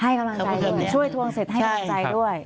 ให้กำลังใจด้วยช่วยทวงเสร็จให้กำลังใจด้วย